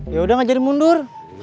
yaudah ngajarin mundur